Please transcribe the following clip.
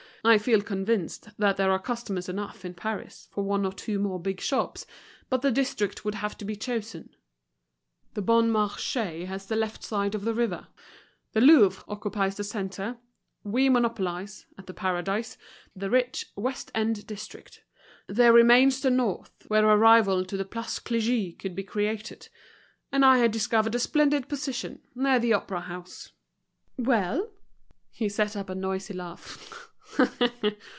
I feel convinced that there are customers enough in Paris for one or two more big shops; but the district would have to be chosen. The Bon Marché has the left side of the river; the Louvre occupies the centre; we monopolize, at The Paradise, the rich west end district. There remains the north, where a rival to the Place Clichy could be created. And I had discovered a splendid position, near the Opera House." "Well?" He set up a noisy laugh.